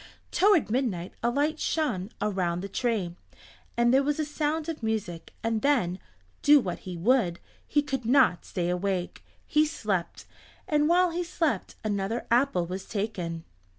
Toward midnight a light shone around the tree, and there was a sound of music, and then, do what he would, he could not stay awake. He slept, and while he slept another apple was taken.